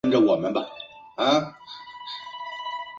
出身于茨城县。